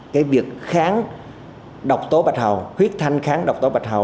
cái việc kháng độc tố bạch hầu huyết thanh kháng độc tố bạch hầu